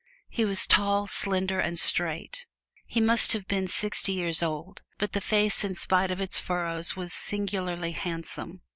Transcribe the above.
He was tall, slender and straight; he must have been sixty years old, but the face in spite of its furrows was singularly handsome.